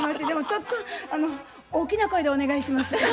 でもちょっとあの大きな声でお願いします。